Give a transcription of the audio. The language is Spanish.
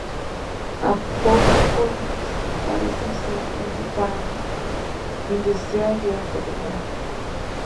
Apokolips parece ser un páramo industrial de alta tecnología.